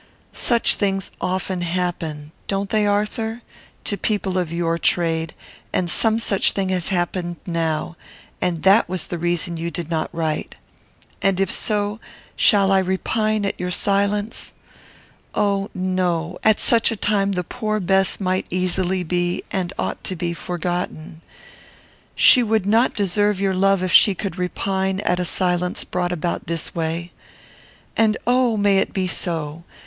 Such things often happen (don't they, Arthur?) to people of your trade, and some such thing has happened now; and that was the reason you did not write. And if so, shall I repine at your silence? Oh no! At such a time the poor Bess might easily be, and ought to be, forgotten. She would not deserve your love if she could repine at a silence brought about this way. And oh! may it be so!